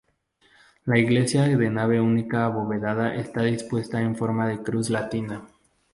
La iglesia de nave única abovedada está dispuesta en forma de cruz latina.